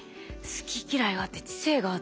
好き・嫌いがあって知性があって。